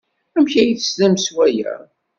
Amek ay teslam s waya?